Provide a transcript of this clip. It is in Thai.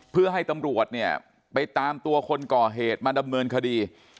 เพื่อให้ตำรวจเนี่ยไปตามตัวคนก่อเหตุมาดำเนินคดี